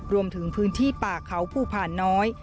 รวมถึงพื้นที่ป่าเขาภูผ่านน้อย